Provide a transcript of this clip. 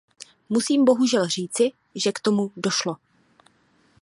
Musím bohužel říci, že k tomu došlo.